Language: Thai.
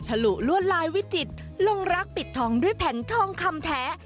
ฉลุลวดลายวิจิตรลงรักปิดทองด้วยแผ่นทองคำแท้